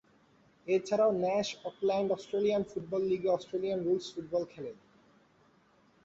এছাড়াও Nash Auckland Australian football লীগে Australian rules football খেলেন।